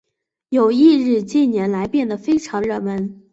友谊日近年来变得非常热门。